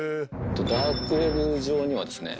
ダークウェブ上にはですね